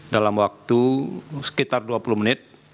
dalam waktu sekitar dua puluh menit